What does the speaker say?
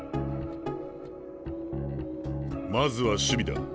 まずは守備だ。